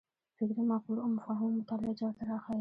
فکري مقولو او مفاهیمو مطالعه جوته راښيي.